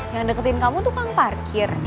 yang deketin kamu tuh kangen parkir